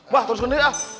mah terus gini ah